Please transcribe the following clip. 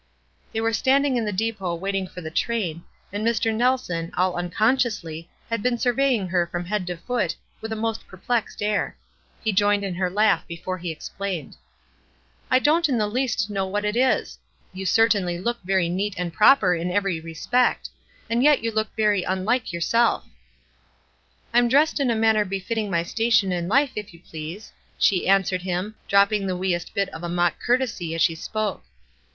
They were standing in the depot waiting for the train, and Mr. Nelson, all unconsciously, had been surveying her from head to foot, with a most perplexed air. He joined in her laugh before he explained. "I don't in the least know what it is. You certainly look perfectly neat and proper in every respect ; and yet you look very unlike your self." WISE AND OTHERWISE. 361 "I'm dressed in a manner befitting my station in life, if you please," she answered him, drop ping the vvcest bit of a mock courtesy as she spoke.